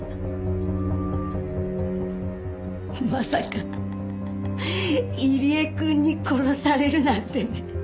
まさか入江くんに殺されるなんてね。